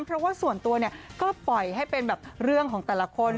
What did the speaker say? เพราะว่าส่วนตัวเนี่ยก็ปล่อยให้เป็นแบบเรื่องของแต่ละคน